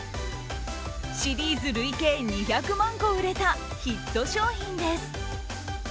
シリーズ累計２００万個売れた、ヒット商品です。